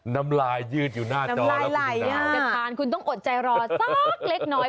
น้ำลายยืดอยู่หน้าจอแล้วคุณคุณต้องอดใจรอสักเล็กน้อย